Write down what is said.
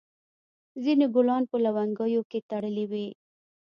ځینو ګلان په لونګیو کې تړلي وي.